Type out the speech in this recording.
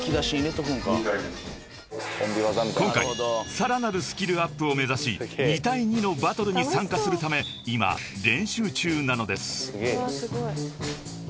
［今回さらなるスキルアップを目指し２対２のバトルに参加するため今練習中なのです］